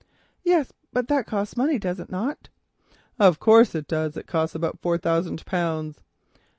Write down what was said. "Yes, but that costs money, does it not?" "Of course it does, it costs about four thousand pounds."